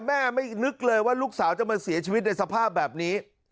ไม่นึกเลยว่าลูกสาวจะมาเสียชีวิตในสภาพแบบนี้